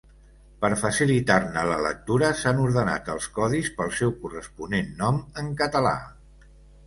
Per facilitar-ne la lectura s'han ordenat els codis pel seu corresponent nom en català.